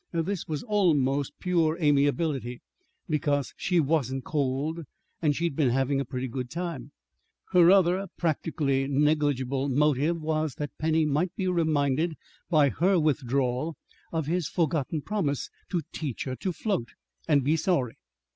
This was almost pure amiability, because she wasn't cold, and she'd been having a pretty good time. Her other (practically negligible) motive was that Penny might be reminded, by her withdrawal, of his forgotten promise to teach her to float and be sorry.